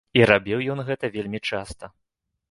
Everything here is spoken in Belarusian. І рабіў ён гэта вельмі часта.